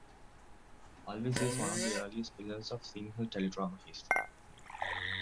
Alwis is one of the earliest pillars of Sinhala teledrama history.